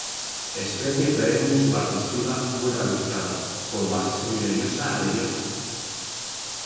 Especie perenne sub-arbustiva muy ramificada, con base semi-leñosa a leñosa.